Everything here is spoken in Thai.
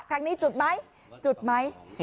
ครั้งนี้จุดไหมจุดไหม